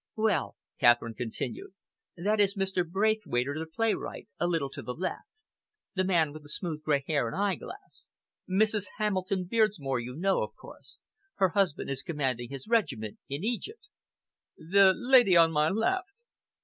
"Well," Catherine continued, "that is Mr. Braithwaiter the playwright, a little to the left the man, with the smooth grey hair and eyeglass. Mrs. Hamilton Beardsmore you know, of course; her husband is commanding his regiment in Egypt." "The lady on my left?"